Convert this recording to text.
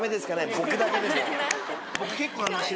僕だけでも。